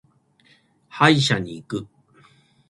歯医者に行く。